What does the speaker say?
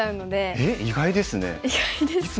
えっ意外ですね。